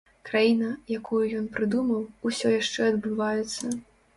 Краіна, якую ён прыдумаў, усё яшчэ адбываецца.